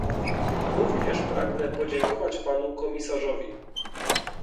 Również pragnę podziękować panu komisarzowi